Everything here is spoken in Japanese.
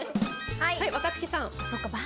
はい若槻さん。